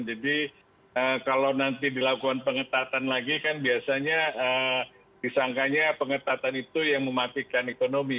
jadi kalau nanti dilakukan pengetatan lagi kan biasanya disangkanya pengetatan itu yang mematikan ekonomi